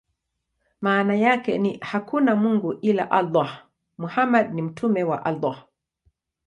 Maana yake ni: "Hakuna mungu ila Allah; Muhammad ni mtume wa Allah".